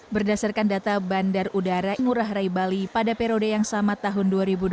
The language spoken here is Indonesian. berdasarkan data bandar udara ngurah rai bali pada periode yang sama tahun dua ribu dua puluh